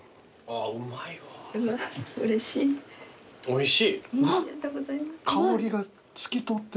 おいしい。